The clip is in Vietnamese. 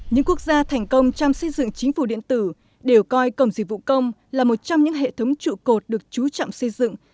những quốc gia thành công trong xây dựng chính phủ điện tử đều coi cổng dịch vụ công là một trong những hệ thống trụ cột được trú trọng xây dựng